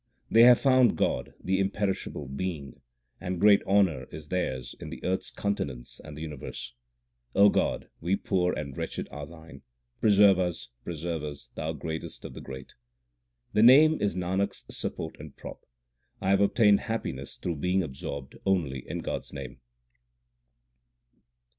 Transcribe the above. They have found God the imperishable Being, and great honour is theirs in the earth s continents and the universe. God, we poor, and wretched, are Thine ; preserve us, preserve us, Thou greatest of the great ! The Name is Nanak s support and prop ; I have obtained happiness through being absorbed only in God s name.